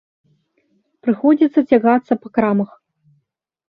Прыходзіцца цягацца па крамах.